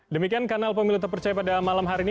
demikian kanal pemilu terpercaya pada malam hari ini